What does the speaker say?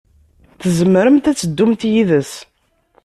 Tzemremt ad teddumt yid-s.